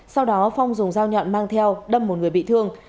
sau đó phong dùng dao nhọn mang theo đâm một người bị thương